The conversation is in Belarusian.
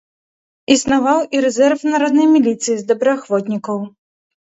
Існаваў і рэзерв народнай міліцыі з добраахвотнікаў.